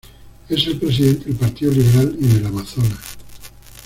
Es el presidente del Partido Liberal en el Amazonas.